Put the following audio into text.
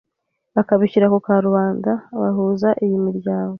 bakabishyira ku karubanda bahuza iyi miryango